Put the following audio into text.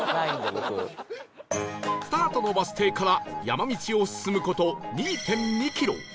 スタートのバス停から山道を進む事 ２．２ キロ